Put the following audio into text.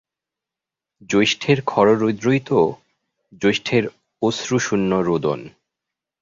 জ্যৈষ্ঠের খররৌদ্রই তো জ্যৈষ্ঠের অশ্রুশূন্য রোদন।